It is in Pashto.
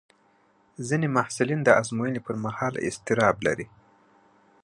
ځینې محصلین د ازموینې پر مهال اضطراب لري.